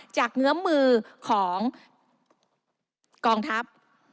เงื้อมือของกองทัพ